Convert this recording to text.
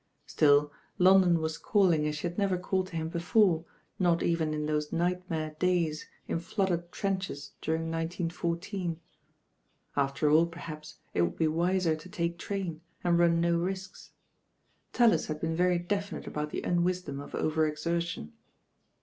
Still London was calling as she had never called to him before, not even in those nightmare days in flooded trenches during 19 14. After all perhaps it would be wiser to take train and run no risks. Tallis had been very definite about the unwisdom of over exertion.